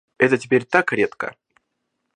Это теперь так редко.